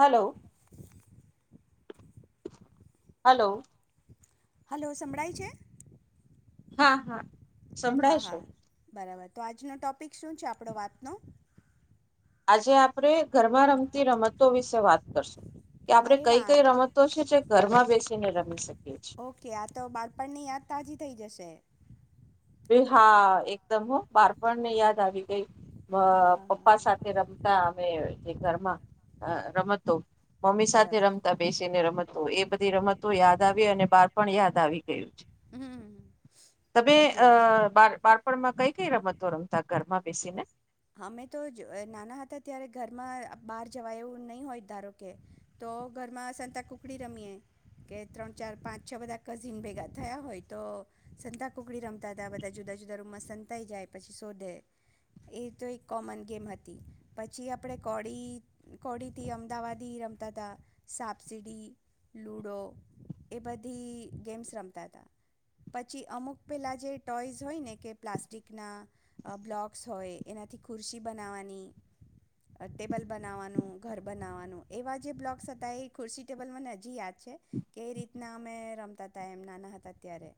Hello hello hello સમળાઈ છે હા હા હા સંભળાશો હા બરાબર તો આજનો ટોપિક શું છે આપડો વાતનો આજે આપણે ઘરમાં રમતી રમતો વિશે વાત કરશું કે આપડે અરે કઈ વાહ કઈ રમતો છે જે ઘરમાં બેસીને રમી શકે ઓકે આ તો બાળપણની યાદ તાજી થઇ જશે ભ હા એકદમ બારપણ ને યાદ આવી ગઈ હા હા પપ્પા હા સાથે રમતા અમે જે ઘરમાં રમતો મમ્મી સાથે બરાબર રમતા બેસીને રમત તો એ બધી રમતો યાદ આવી અને બાર પણ યાદ આવી ગયું છે હમ તમે સાચી અ વાત છે બા બાળપણમાં કઈ કઈ રમતો રમતા ઘરમાં બેેશી ને અમે તો નાના હતા ત્યારે ઘરમાં બહાર જવા એવું નહી હોય ધારો કે તો ઘરમાં સંતા કુકડી રમીએ કે ત્રણ ચાર પાંચ છ બધા કઝિન ભેગા થયા હોય તો સંતાકુકડી રમતા હતા બધા જુદા જુદા રૂમમાં સંતાય જાય પછી શોધે એ તો એક કોમન ગેમ હતી પછી આપણે કોડી કોડીથી અમદાવાદી રમતા હતા સાપસીડી લુડો એ બધી ગેમ્સ રમતા હતા પછી અમુક પહેલાં જે ટોયઝ હોય ને કે પ્લાસ્ટિકના બ્લોક્સ હોય એનાથી ખુરશી બનાવવાની ટેબલ બનાવવાનું ઘર બનાવવાનું એવા જે બ્લોગસ હતા એ ખુરશી ટેબલ મને હજી યાદ છે કે એ રીતના અમે રમતા હતા એમ નાના હતા ત્યારે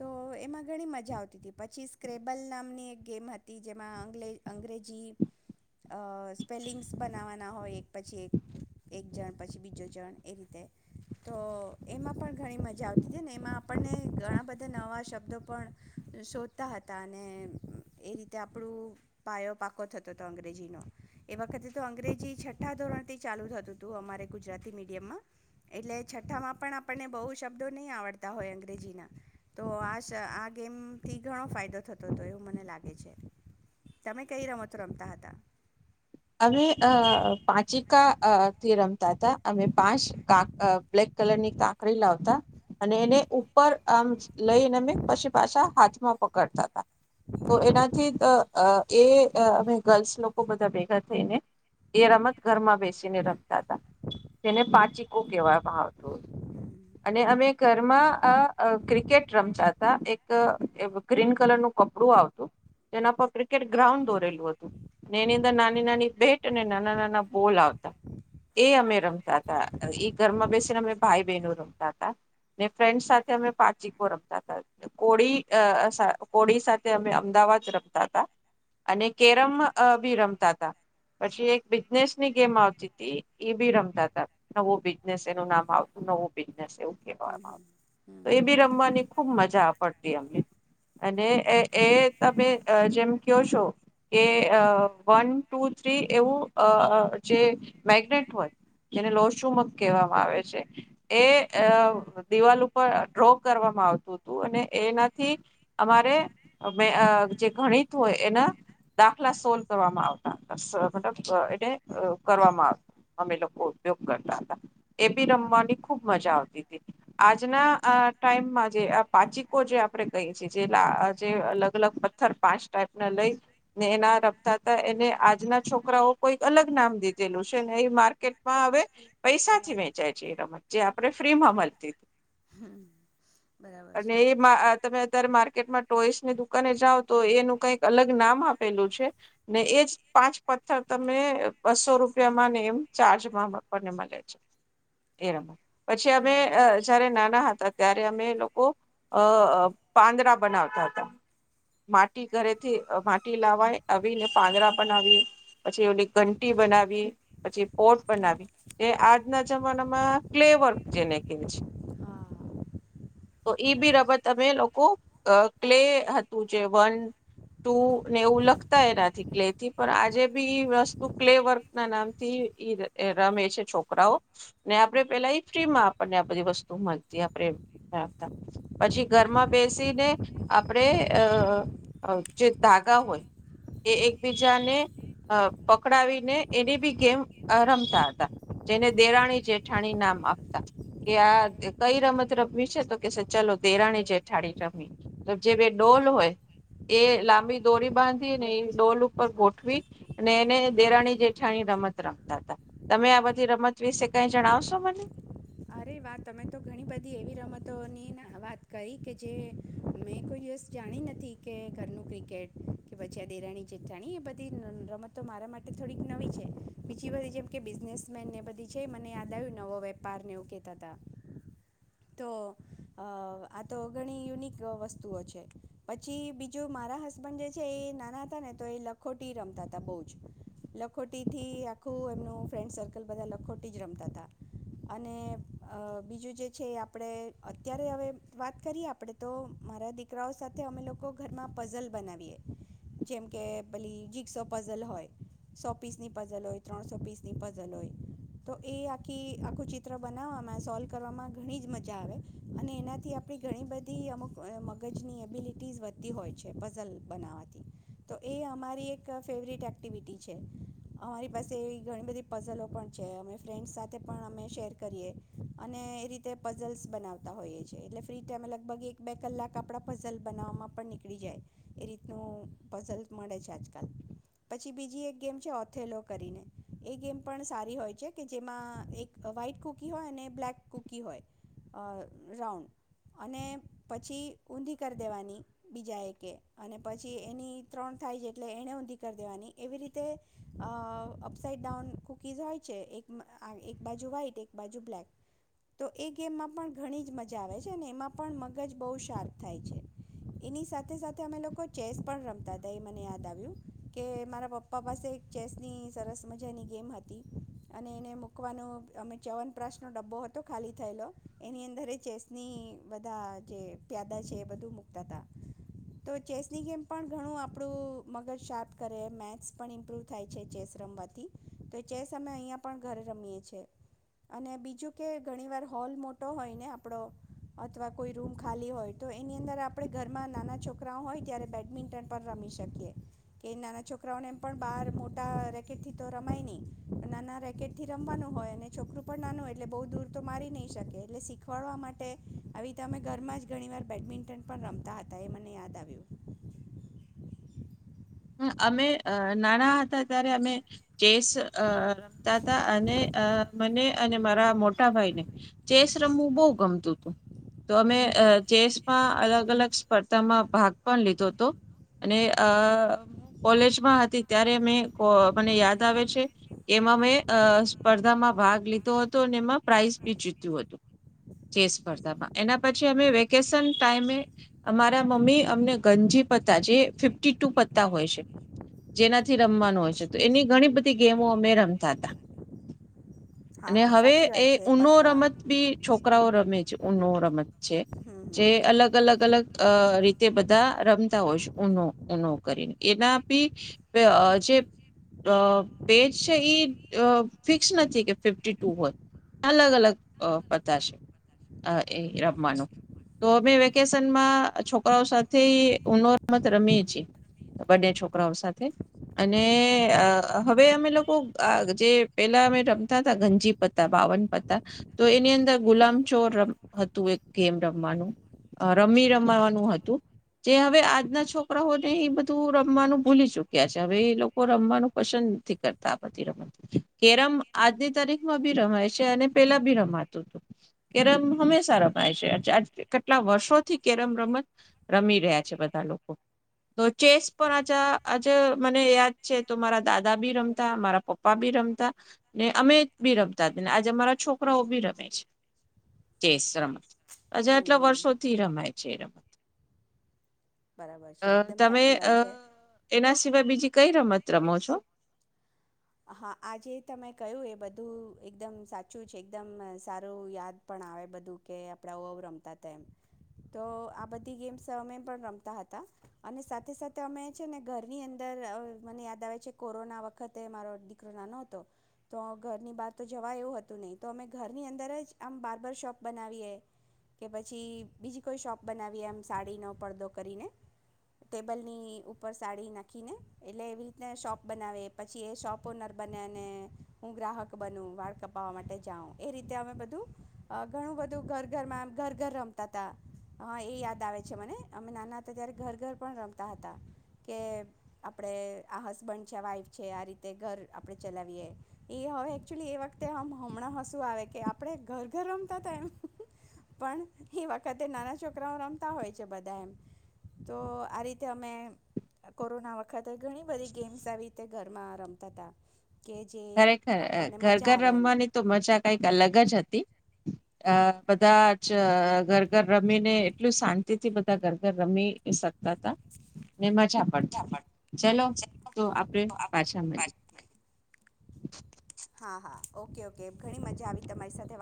તો એમાં ઘણી મજા આવતી હતી પછી સ્ક્રેબલ નામની એક ગેમ હતી જેમાં અંગ્રેજી સ્પેલિંગ્સ બનાવવાના હોય એક પછી એક એક જણ પછી બીજો જણ એ રીતે તો એમાં પણ ઘણી મજા આવતી હતી ને એમાં આપણને ઘણા બધા નવા શબ્દો પણ શોધતા હતા અને એ રીતે આપણું થતો અંગ્રેજીનો એ વખતે તો અંગ્રેજી છઠ્ઠા ધોરણ થી ચાલુ થતું હતું અમારે ગુજરાતી મીડિયમમાં એટલે છઠ્ઠામાં પણ આપણને બહુ શબ્દો નહી આવડતા હોય અંગ્રેજીના તો આ આ ગેમથી ઘણો ફાયદો થતો હતો એવું મને લાગે છે તમે કઈ રમતો રમતા હતા અમે અ પાંચિકા અ થી રમતા હતા તાકડી લાવતા અને એને ઉપર આમ લઈને અ પછી પાછા હાથમાં પકડતા તા તો એનાથી એ અમે ગર્લ્સ લોકો બધા એ રમત ઘરમાં બેસીને રમતા હતા તેને પાચકું કહેવામાં આવતું હતું અને અમે ઘરમાં આ ક્રિકેટ રમતા હતા એક ગ્રીન કલર નું કપડું આવતું જેના પર ક્રિકેટ ગ્રાઉન્ડ દોરેલું હતું અને એની અંદર નાની ના બેટ અને નાના નાના બોલ આવતા એ અમે રમતા હતા એ ઘરમાં બેસીને અમે ભાઈ બહેનો રમતા હતાને ફ્રેન્ડ સાથે અમે પાચિકો રમતા હતા કોળી કોળી સાથે અમે અમદાવાદ રમતા હતા અને કેરમ બી રમતા હતા પછી એક બિઝનેસ ની ગેમ આવતી એ બી રમતા ત નવું બિઝનેસ એનું નામ આવતું નવું બ હમ હમ તો હમ એ બી રમવાની ખુબ મજાડતી અને એ તમે જેમ કો છો કે વન ટુ થ્રી એવું જે મેગ્નેટ હોય જેને લોશુમગ કહેવામાં આવે છે એ દિવાલ ઉપર ડ્રો કરવામાં આવતું હતું અને એનાથી અમારે જે ગણિત હોય એના દાખલા સોલ્વ કરવામાં આવતા એને કરવામાં આવ અમે લોકો ઉપયોગ કરતા હતા એ બી રમવાની ખુબ મજા આવતી હતી આજના ટાઈમમાં જે આ પાચકોો જે આપણે કહી છીએ જે જે અલગ અલગ પથ્થર પાંચ ટાઈપને લઈ ને એના રમતા હતા એને આજના છોકરાઓ કોઈક અલગ નામ દીધેલું છે ને એ માર્કેટમાં હવે પૈસાથી વેચાય છે એ રમત જે આપણે ફ્રી માં મળતી હતી હમ બરાબર અને છે એ તમે અત્યારે માર્કેટમાં ટોઈસની દુકાને જાવ તો એનું કઈક અલગ નામ આપેલું છે ને એજ પાંચ પથ્થર તમને બસો રૂપિયામાં ને એમ ચાર્જમાંને મળે છે એ રમત પછી હમ અમે જયારે નાના હતા ત્યારે અમે લોકો અ પાંદડા બનાવતા હતા માટી ઘરેથી માટી લાવાય આવીને પાંદડા પછી એની ઘંટી બનાવી પછી પોટ બનાવી જે આજના જમાનામાં ક્લે વર્ક જેને કહે છે હા તો એ બી બરાબર રબત છે. અમે લોકો ક્લે હતું જે વન ટુ ને એવું લખતા એનાથી ક્લે થી પણ આજે બી વસ્તુ ક્લે વર્ક ના નામથી રમે છે છોકરાઓ ને આપડે પેલા ફ્રીમાં આપણને આ બધી વસ્તુ મળતી આપણેતા પછી ઘરમાં બેસીને આપણેે જે ધાગા હોય એ એકબીજ જને પકડાવીને એની બી ગેમ રમતા હતા જેને દેરાણી જેઠાણી નામ આપતા કે આ કઈ રમત રમવી છે તો કે ચાલ દેરાણી જેઠાણી રમવી તો જે બે ડોલ હોય એ લાંબી દોરી બાંધી ને એ ડોલ ગોઠવી અને એને દેરાણી જેઠાણી રમત રમતા હતા તમે આ બધી રમત વિશે કઈ જણાવશો મને અરે વા તમે તો ઘણી બધી એવી રમતોની વાત કરી કે જે મેં કોઈ દિવસ જાણી નથી કે ઘરનું ક્રિકેટ કે પચ આ દેરાણી જેઠ્ઠાણી એ બધી રમતો મારા માટે થોડીક નવી છે બીજી બધી જેમ કે બિઝનેસમેન ને બધી છે મને યાદ આવ્યું નવો વેપારને એવું કહેતા હતા તો આ તો ઘણી યુનિક વસ્તુઓ છે પછી બીજું મારા હસબન્ડ જે છે એ નાના હતા ને તો એ લખોટી રમતા હતા બહ જ લખોટીથી આખું એમ ફન્ડ સર્કલ બધા લખોટી રમતા અ બીજું જે છે આપણે અત્યારે હવે વાત કરીએ આપણે તો મારા દીકરાઓ સાથે અમે લોકો ઘરમાં પઝલ બનાવીએ જેમ કે પલી જીગસો પઝલ હોય સો પીસ ની પઝલ હોય ત્રણસો પીસ ની પઝલ હોય તો એ આખી આખું ચિત્ર બનાવ સોલ્વ કરવામાં ઘણી જ મજા આવે અને એનાથી આપણી ઘણી બધી અમુક મગજની એબિલિટીઝ વધતી હોય છે પઝલ બનાવવાથી તો એ અમારી એક ફેવરેિટ એક્ટિવિટી છે અમારી પાસે ઘણી બધી પઝલો પણ છે અમે ફ્રેન્ડ્સ સાથે પણ અમે શેર કરીએ અને એ રીતે પઝલ્સ બનાવતા હોઈએ છે એટલે ફ્રી ટાઈમે લગભગ એક બે કલાક આપડા પઝલ બનાવવામાં પણ નીકળી જાય એ રીતનું પઝલ મળે છે આજકાલ પછી બીજી એક ગેમ છે ઓથેલો કરીને એ ગેમ પણ સારી હોય છે કે જેમાં એક વ્હાઈટ કકી હોય અને બ્લેક કૂકી હોય રાઉન્ડ અને પછી ઊંધી કરી દેવાની બીજા એક અને પછી એની ત્રણ થાય છે એટલે એને ઊંધી કરી દેવાની એવી રીતે અપસાઇડ ડાઉન કૂકીઝ હોય છે એક એક બાજુ વ્હાઈટ એક બાજુ બ્લેક તો એ ગેમમાં પણ ઘણી જ મજા આવે છે અને એમાં પણ મગજ બહુ શાર્પ થાય છે એની સાથે સાથે અમે લોકો ચેસ પણ રમતા હતા એ મને યાદ આવ્યું કે મારા પપ્પા પાસે ચેસની સરસ મજાની ગેમ હતી અને એને મકવાનું અમે ચવનપ ડબ્બો હતો ખાલી થયેલો એની અંદર ચેસની બધા જે પ્યાદા છે એ બધું મુક્તા હતા તો ચેસની ગેમ પણ ઘણું આપણું મગજ શાર્પ કરે મેથ્સ પણ ઇમ્પ્રૂવ થાય છે ચેસ રમવાથી તો ચેસ અમે અહીંયા પણ ઘરે રમીએ છી અને બીજ કે ઘણી વાર હોલ મોટો હોય ને આપડો અથવા કોઈ રૂમ ખાલી હોય તો એની અંદર આપડણે ઘરમાં નાના છોકરાઓ હોય ત્યારે બેડમિન્ટન પણ રમી શકીએ કે નાના છોકરાઓને એમ પણ બહાર મોટા રેકેટ થી તો રમાય નહી નાના રેકેટ થી રમવાનું હોય અને છોકરું પણ નાનું હોય એટલે બ દૂર તો મારી નહી શકે એટલે શીખવાડવા માટે આવી રતે અમે ઘરમાં જ ઘણી વાર બેડમિન્ટન પણ રમતા હતા એ મને યાદ આવ્યું અમે નાણા હતા ત્યારે અમે કેસ રમતા હતા અને અ મને અને મારા મોટા ભાઈ ને ચેસ રમવું બહુ ગમતું હતું તો અમે ચેસમાં અલગ અલગ સ્પર્ધામાં ભાગ પણ લીધો હતો અને આ કોલેજમાં હતી ત્યારે અ મને યાદ આવે છે કે એમાં મેં સ્પર્ધામાં ભાગ લીધો હતો અને એમાં પ્રાઈઝ બી જીત્યું હતું જે સ્પર્ધામાં એના પછી અમે વેકેશન ટાઈમે અમારા મમ્મી અમને ગંજી પતા જે ફફ ટુ હોય છે જેનાથી રમવાનું હોય છે તો એની ઘણી બધી ગેમો અમે રમતા હતા હા અને હા હવે સાચી વાત એ છે ઊનો પત્તા રમત હમ બી છોકરાઓ રમે છે ઉ નૂમ છે હમ જે અલગ અલગ અલગ અ રીતે બધા રમતા હોય છે ઉનો ઉનો એનાી જે પેજ છે એ ફિક્સ નથી કે ફિફી ટુ હોય અલગ અલગ પતા છે એ રમવાનું તો અમે વેકેશનમાં છોકરાઓ સાથેનો રમત રમીએ છીએ બંને છોકરાઓ સાથે અને હવે અમે લોકો જે પેલા અમે રમતા હતા ગંજી પત્તા બાવન પત્તા તો એની અંદર ગુલામચોર હતું એક ગેમ રમવાનું રમી રમવાનું હતું જે હવે આજના છોકરાઓ એ બધું રમવાનું ભૂલી ચુક્યા છે હવે એ લોકો રમવાનું પસંદ નથી કરતા આ બધી રમતી કેરમ આજની તારીખમાં બી રમાય છે અને પેલા ભી રમાતું હતું કેરમ હમ હમેશા ર છે કેટલા વર્ષોથી કેરમ રમત રમી રહ્યા છે બધા લોકો તો ચેસ પણ આ આજે મને યાદ છે તો મારા દાદા બી રમતા મારા પપ્પા બી રમતા ને અમે બી રમતાને આજે અરા છોકરાઓ બી રમે છે ચેસ રમત હજા હમ આટલા હમ વર્ષો થી રમાય છે રમત બરાબર છે અ એકદમ સાચ તમે એના આ સિવાય બીજી કઈ રમત રમો છો હા આજે તમે કયું એ બધું એકદમ સાચું છે એકદમ સારું યાદ પણ આવે બધું કે આપડા ઓવ રમતા હતા એમ તો આ બધી ગેમ્સ અમે પણ રમતા હતા અને સાથે સાથે અમે છે ને ઘરની અંદર મને યાદ આવે છે કોરોના વખતે મારો દીકરો ના નહ હતો તો ઘરની બહાર તો જવા એવું હતું નહીં તો અમે ઘરની અંદર જ આમ બાર બાર શોપ બનાવીએ કે પછી બીજી કોઈ શોપ બનાવીએ આમ સાડીનો પડદો કરીને ટેબલની ઉપર સાડી નાખીને એટલે એવી રીતના શોપ બનાવીએ પછી એ શોપ નર બને અને હું ગ્રાહક બન વાળ કપાવા માટે જાઉં એ રીતે અમે બધું ઘણું બધું ઘર ઘરમાં ઘર ઘર રમતા ત હ એ યાદ આવે છે મને અમે નાના હતા ત્યારે ઘર ઘર પણ રમતા હતા કે આપણે આ હસબન્ડ છે વાઈફ છે આ રીતે તે ઘર આપણે ચલાવીએ એ હવે એકચુલી એ વખતેમ હમણાં હશું આવે કે આપણે ઘર ઘર રમતા હતા એમ પણ એ વખતે નાના છોકરાઓ રમતા હોય છે બધા એમ તો આ રીતે અમે કોરોના વખત તે ઘણી બધી ગેમ્સ આવી રીતે ઘરમાં આરંભ તતા ખરેખર ઘર ઘર એમ રમવાની તો મજા કઈક અલગ જ હતી અ હા બધા જ ઘર ઘર રમી ને એટલું શાંતિ થી બધા ઘર ઘર રમી એ ને મજા પડતી હતી ચલો તો આપડે પાછા મળી હા હા ઓકે ઓકે ઘણી મજા આવી તમારી સાથે